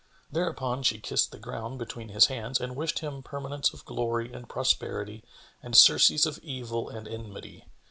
Thereupon she kissed the ground between his hands and wished him permanence of glory and prosperity and surcease of evil and enmity.